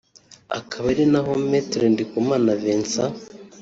Akaba ari naho Me Ndikumana Vincent